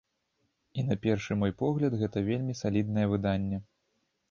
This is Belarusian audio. І на першы мой погляд, гэта вельмі саліднае выданне.